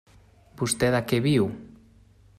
Vostè de què viu?